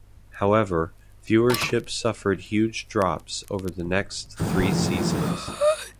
However, viewership suffered huge drops over the next three seasons.